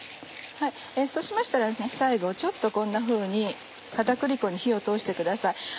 そうしましたら最後ちょっとこんなふうに片栗粉に火を通してください。